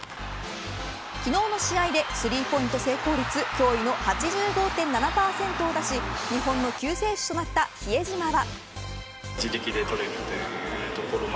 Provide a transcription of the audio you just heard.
昨日の試合でスリーポイント成功率驚異の８５．７％を出し日本の救世主となった比江島は。